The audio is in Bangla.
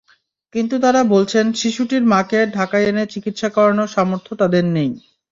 কিন্তু তাঁরা বলছেন, শিশুটির মাকে ঢাকায় এনে চিকিৎসা করানোর সামর্থ্য তাঁদের নেই।